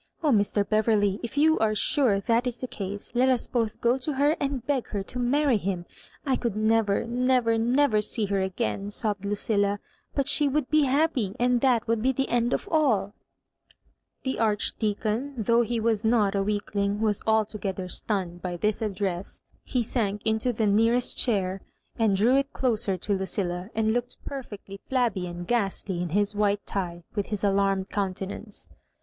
Oh, Mr. Beverley, if you are sure that is the case, let us both go to her, and beg her to marry him. I could never, never, never see her again," sobbed LuciUa, Digitized by VjOOQIC MISS MAEJOBIBANES. 85 but she would be happy, and that would be the end of all." The Archdeacon, though he was not a weak ling, was altogether stunned by this addresa He sank into the nearest chair, and drew it doser lo Lucilla, and looked perfectly flabby and ghast ly in his white tie, with his alarmed countenance.